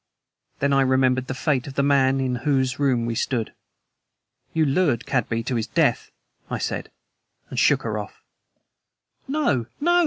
Then I remembered the fate of the man in whose room we stood. "You lured Cadby to his death," I said, and shook her off. "No, no!"